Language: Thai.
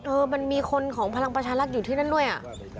อือมันมีคนของพรรณปัชรัฐอยู่ที่นั้นด้วย